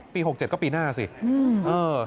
๖๗ก็ปีหน้าสิ